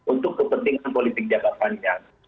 untuk kepentingan politik jangka panjang